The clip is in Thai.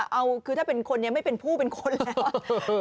เอาคือถ้าเป็นคนยังไม่เป็นผู้เป็นคนเลย